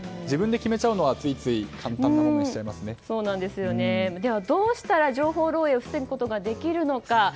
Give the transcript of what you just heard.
自分で決めちゃうのはついつい簡単なのにでは、どうしたら情報漏えいを防ぐことができるのか。